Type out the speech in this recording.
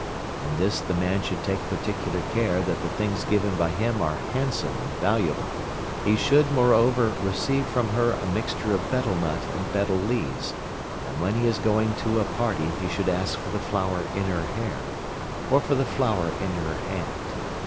In this the man should take particular care that the things given by him are handsome and valuable. He should moreover receive from her a mixture of betel nut and betel leaves, and when he is going to a party he should ask for the flower in her hair, or for the flower in her hand.